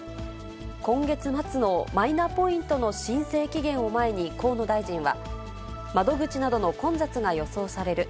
今月末のマイナポイントの申請期限を前に河野大臣は、窓口などの混雑が予想される。